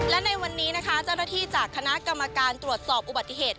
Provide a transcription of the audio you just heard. และในวันนี้นะคะเจ้าหน้าที่จากคณะกรรมการตรวจสอบอุบัติเหตุ